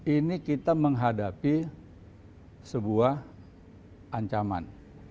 ini kita menghadapi sebuah ancaman